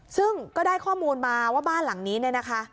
ซึ่งก็ได้ข้อมูลมาว่าบ้านหลังนี้เนี่ยนะคะ